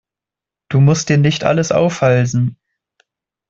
Du musst dir nicht alles aufhalsen.